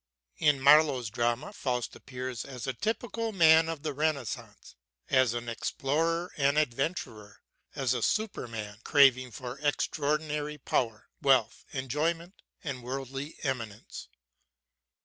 In Marlowe's drama Faust appears as a typical man of the Renaissance, as an explorer and adventurer, as a superman craving for extraordinary power, wealth, enjoyment, and worldly eminence.